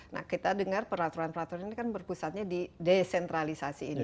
nah kita dengar peraturan peraturan ini kan berpusatnya di desentralisasi ini